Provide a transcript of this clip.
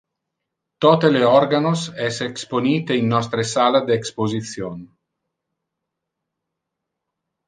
Tote le organos es exponite in nostre sala de exposition.